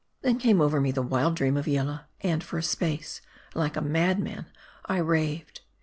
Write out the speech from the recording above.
."< Then came over me the wild dream of Yillah ; and, for a space, like a madman, I raved.